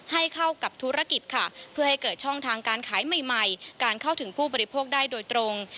ให้เข้ากับธุรกิจค่ะเพื่อให้เกิดช่องทางการขายใหม่การเข้าถึงผู้บริโภคได้โดยตรง